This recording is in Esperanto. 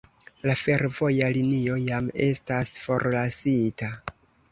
La fervoja linio jam estas forlasita.